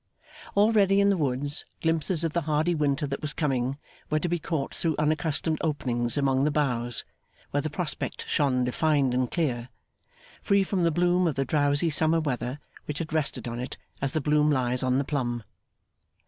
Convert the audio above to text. Already in the woods, glimpses of the hardy winter that was coming were to be caught through unaccustomed openings among the boughs where the prospect shone defined and clear, free from the bloom of the drowsy summer weather, which had rested on it as the bloom lies on the plum.